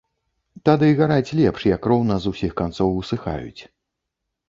Тады гараць лепш, як роўна з усіх канцоў усыхаюць.